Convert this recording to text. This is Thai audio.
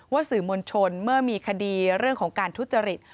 สื่อมวลชนเมื่อมีคดีเรื่องของการทุจริต